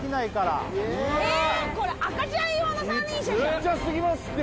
ちっちゃすぎますって